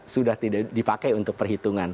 sudah tidak dipakai untuk perhitungan